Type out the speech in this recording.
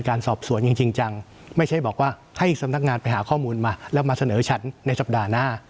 ข้อมูลมาแล้วมาเสนอฉันในสัปดาห์หน้า